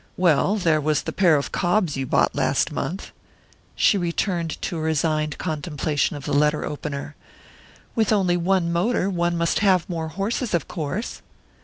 "Well, there was the pair of cobs you bought last month " She returned to a resigned contemplation of the letter opener. "With only one motor, one must have more horses, of course."